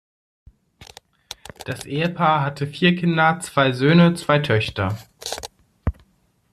Das Ehepaar hatte vier Kinder, zwei Söhne, zwei Töchter.